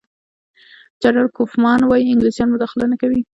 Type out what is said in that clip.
جنرال کوفمان وايي انګلیسان مداخله نه کوي.